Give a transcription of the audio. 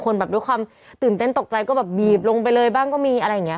แบบด้วยความตื่นเต้นตกใจก็แบบบีบลงไปเลยบ้างก็มีอะไรอย่างนี้